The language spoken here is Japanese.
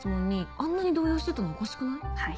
あんなに動揺してたのおかしくない？